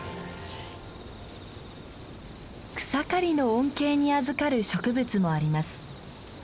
草刈りの恩恵にあずかる植物もあります。